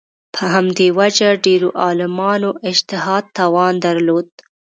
په همدې وجه ډېرو عالمانو اجتهاد توان درلود